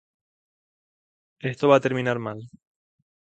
Esto va a terminar mal.